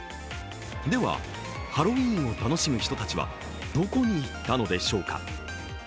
ではハロウィーンを楽しむ人たちはどこに行ったのでしょうか。